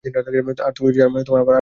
আর তুমি ছাড়া আমারো কেউ নেই।